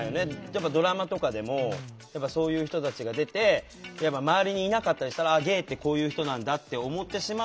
例えばドラマとかでもそういう人たちが出て周りにいなかったりしたらゲイってこういう人なんだって思ってしまうのもまだ。